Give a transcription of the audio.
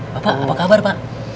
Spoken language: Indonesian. bapak apa kabar pak